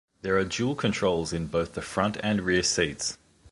There are dual controls in both the front and rear seats.